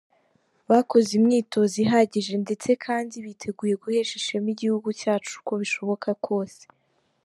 Bakoze imyitozo ihagije ndetse kandi biteguye guhesha ishema igihugu cyacu uko bishoboka kose.